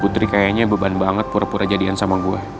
putri kayaknya beban banget pura pura jadian sama gue